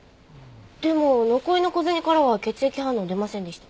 でも残りの小銭からは血液反応出ませんでした。